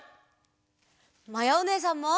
まやおねえさんも！